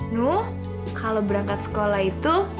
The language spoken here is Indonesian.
nu kalau berangkat sekolah itu